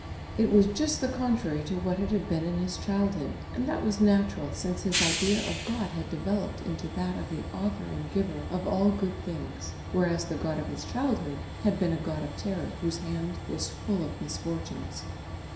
It was just the contrary to what it had been in his childhood, and that was natural since his idea of God had developed into that of the Author and Giver of all good things, whereas the God of his childhood had been a God of terror whose hand was full of misfortunes.